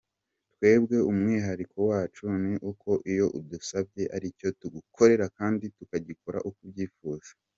Twebwe umwihariko wacu ni uko icyo udusabye aricyo tugukorera kandi tukagikora uko ubyifuza.